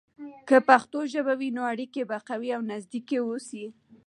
که پښتو ژبه وي، نو اړیکې به قوي او نزدیک اوسي.